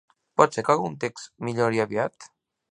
Pot ser que el context millori aviat?